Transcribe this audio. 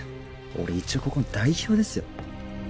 俺一応ここの代表ですよ